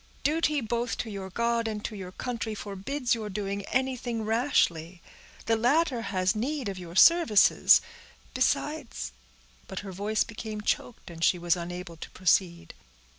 Duty both to your God and to your country forbids your doing anything rashly. The latter has need of your services; besides"—but her voice became choked, and she was unable to proceed.